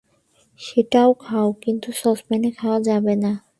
সেটা খাও, কিন্তু সসপ্যানে খাওয়া যাবে না।